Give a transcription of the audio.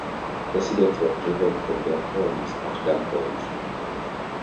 Residents were driven from their homes at gunpoint.